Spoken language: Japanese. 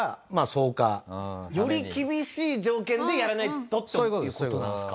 より厳しい条件でやらないとという事なんですか。